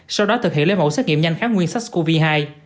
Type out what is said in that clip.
sau đó thực hiện lấy mẫu xét nghiệm nhanh kháng nguyên sách covid hai